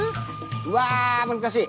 うわ難しい！